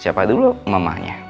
siapa dulu mamanya